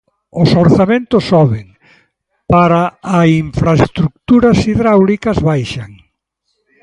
Os orzamentos soben, para a infraestruturas hidráulicas baixan.